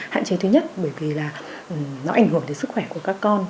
hạn chế thứ nhất bởi vì là nó ảnh hưởng đến sức khỏe của các con